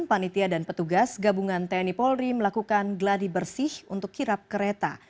panitia dan petugas gabungan tni polri melakukan gladi bersih untuk kirap kereta